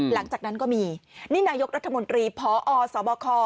หลังจากนั้นก็มีนี่นายกรัฐมนตรีพอสบค